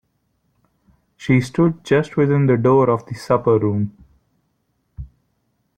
She stood just within the door of the supper-room.